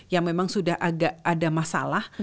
yang memang sudah agak ada masalah